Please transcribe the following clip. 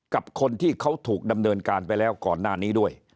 กับคนที่เขาถูกดำเนินการไปแล้วก่อนหน้านี้ด้วย